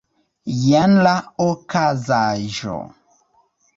Jen la okazaĵo.